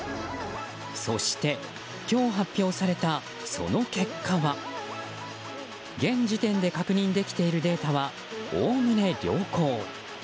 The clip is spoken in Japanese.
そして、今日発表されたその結果は現時点で確認できているデータはおおむね良好。